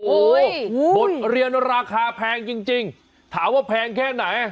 โอ้โหบทเรียนราคาแพงจริงถามว่าแพงแค่ไหน